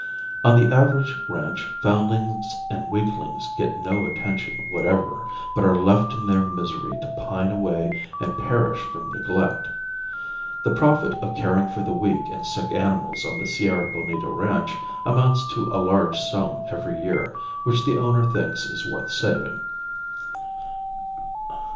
On the average ranch foundlings and weaklings get no attention whatever, but are left in their misery to pine away and perish from neglect. The profit of caring for the weak and sick animals on the Sierra Bonita ranch amounts to a large sum every year, which the owner thinks is worth saving.